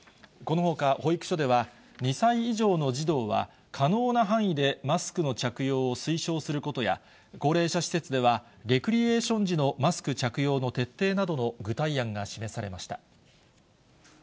このほか保育所では、２歳以上の児童は、可能な範囲でマスクの着用を推奨することや、高齢者施設では、レクリエーション時のマスク着用の徹底などの具体案が示されまし